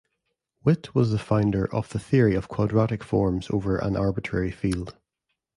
Witt was the founder of the theory of quadratic forms over an arbitrary field.